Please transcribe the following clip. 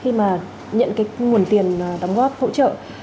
khi mà nhận cái nguồn tiền đóng góp hỗ trợ